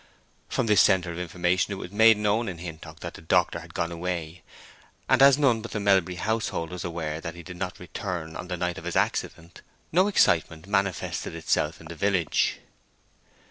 From this centre of information it was made known in Hintock that the doctor had gone away, and as none but the Melbury household was aware that he did not return on the night of his accident, no excitement manifested itself in the village.